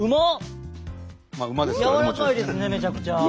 やわらかいですねめちゃくちゃ。